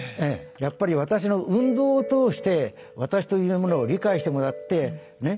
やっぱり私の運動を通して私というものを理解してもらってねっ？